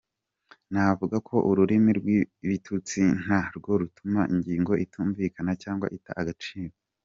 Navuga ko ururimi rw’ibitutsi na rwo rutuma ingingo itumvikana cyangwa ita agaciro.